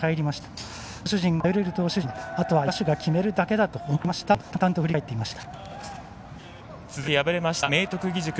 投手陣が頼れる投手陣なのであとは野手が決めるだけだと思っていましたと淡々と振り返っていました。